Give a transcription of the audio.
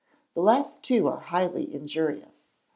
The last two are highly injurious.